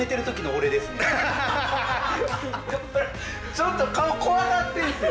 ちょっと顔怖なってんすよ。